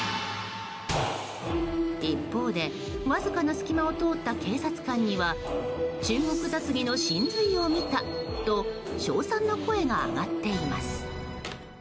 一方で、わずかな隙間を通った警察官には中国雑技の神髄を見たと称賛の声が上がっています。